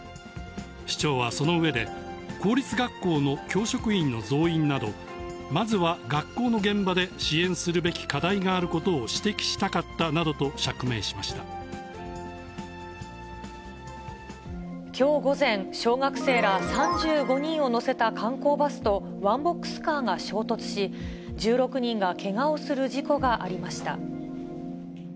市長はそのうえで、公立学校の教職員の増員など、まずは学校の現場で支援するべき課題があることを指摘したかったきょう午前、小学生ら３５人を乗せた観光バスと、ワンボックスカーが衝突し、１６人がけがをする事故がありました。